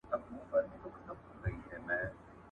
د نن سبا د ښځي په استازيتوب يادېدلای سي